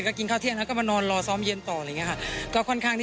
จุดสูงสุดของชีวิตจุดสูงสุดของชีวิต